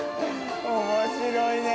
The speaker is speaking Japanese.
面白いね。